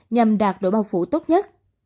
nhằm đạt độ bao phủ tốt nhất